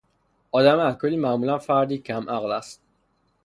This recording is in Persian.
آدم الکلی معمولا فردی کم عقل است.